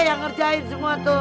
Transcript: dia yang ngerasain semua tuh